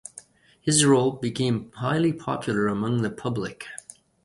His role became highly popular among the public.